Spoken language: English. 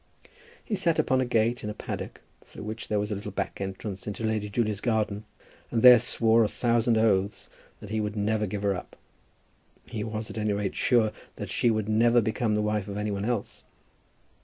He sat upon a gate in a paddock through which there was a back entrance into Lady Julia's garden, and there swore a thousand oaths that he would never give her up. He was, at any rate, sure that she would never become the wife of any one else.